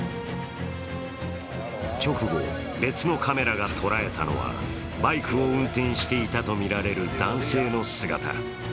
直後、別のカメラが捉えたのはバイクを運転していたとみられる男性の姿。